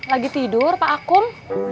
lagi tidur pak akum